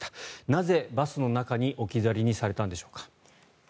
なぜ、バスの中に置き去りにされたんでしょうか。